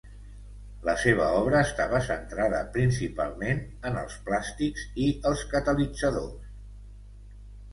La seva obra estava centrada principalment en els plàstics i els catalitzadors.